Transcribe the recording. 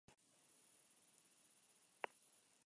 En la actualidad está proyectado un hotel de lujo en el edificio.